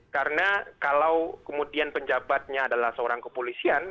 karena kalau kemudian penjabatnya adalah seorang kepolisian